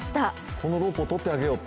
このロープを取ってあげようと。